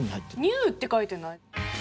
「ＮＥＷ」って書いてない？